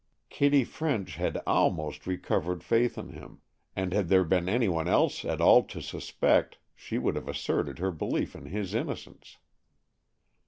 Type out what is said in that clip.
Kitty French had almost recovered faith in him, and had there been any one else at all to suspect, she would have asserted her belief in his innocence.